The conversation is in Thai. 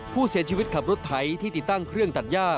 ผู้เสียชีวิตขับรถไถที่ติดตั้งเครื่องตัดย่า